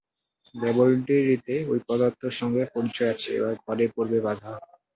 ল্যাবরেটরিতে ঐ পদার্থটার সঙ্গে পরিচয় আছে, এবার ঘরে পড়বে বাঁধা।